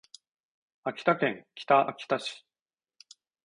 秋田県北秋田市